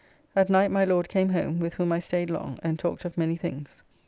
At night my Lord came home, with whom I staid long, and talked of many things.